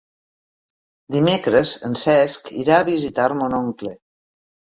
Dimecres en Cesc irà a visitar mon oncle.